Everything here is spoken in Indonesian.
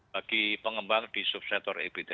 bagi pengembang di subsektor ebt